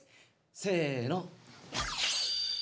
せの。